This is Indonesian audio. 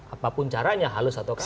apapun caranya halus atau